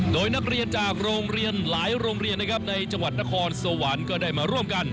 โดยนักเรียนจากโรงเรียนหลายโรงเรียนนะครับในจังหวัดนครสวรรค์ก็ได้มาร่วมกัน